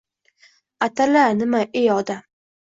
— Atala nima, ey odam?